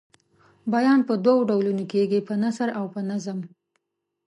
بیان په دوو ډولونو کیږي په نثر او په نظم.